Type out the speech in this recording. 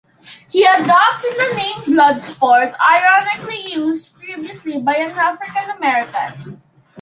He adopts the name Bloodsport, ironically used previously by an African American.